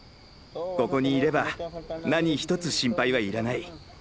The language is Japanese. ここにいれば何一つ心配は要らない。